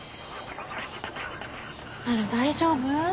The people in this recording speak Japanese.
あら大丈夫？